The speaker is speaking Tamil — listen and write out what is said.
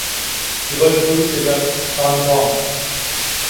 இவற்றுள் சில காண்பாம்.